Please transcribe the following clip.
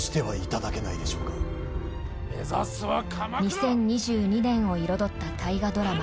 ２０２２年を彩った大河ドラマ